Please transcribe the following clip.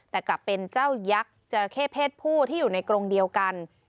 แต่กลับเป็นเจ้ายักษ์จราเข้เพศผู้ที่อยู่ในกรงเดียวกัน